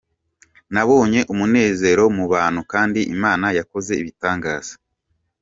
Nabonye umunezero mu bantu kandi Imana yakoze ibitangaza.